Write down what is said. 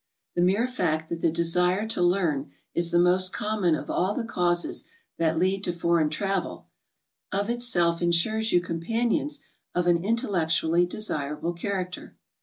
The mere fact that the desire to learn is the most common of all the ca es that lead to foreign travel, of itself insures you companions of an intel lectually desirable character.